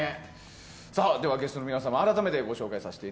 では、ゲストの皆様を改めてご紹介します。